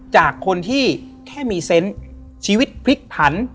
จากคนที่แค่มีเซนต์ชีวิตพลิกผัน